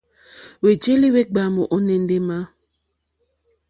Hwèjèelì hwe gbàamù o ene ndema.